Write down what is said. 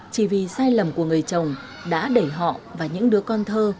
chỉ vì sai lầm của người chồng đã đẩy họ và những đứa con thơ